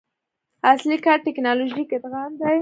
اصلي کار ټکنالوژیک ادغام دی.